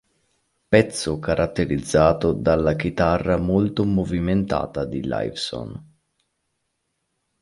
Pezzo caratterizzato dalla chitarra molto movimentata di Lifeson.